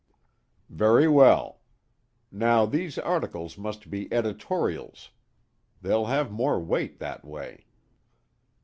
"Very well. Now these articles must be editorials. They'll have more weight that way.